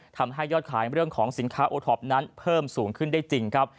ทำให้ยอดขายเรื่องของสินค้าโอท็อปนั้นเพิ่มสูงขึ้นได้จริงครับ